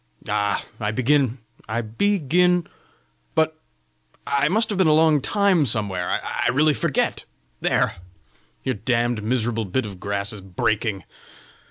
"Ah, I begin, I be gin But I must have been a long time somewhere! I really forget! There! your damned, miserable bit of grass is breaking!